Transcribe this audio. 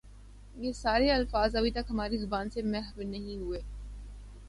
یہ سارے الفاظ ابھی تک ہماری زبان سے محو نہیں ہوئے ۔